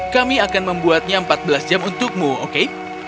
kami akan membuatnya empat belas jam untukmu oke